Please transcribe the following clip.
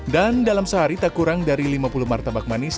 dan dalam sehari tak kurang dari lima puluh martabak manis